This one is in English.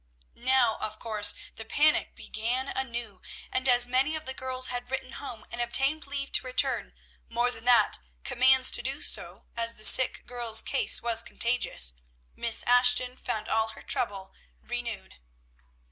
Now, of course, the panic began anew; and as many of the girls had written home and obtained leave to return, more than that, commands to do so, as the sick girl's case was contagious, Miss Ashton found all her trouble renewed.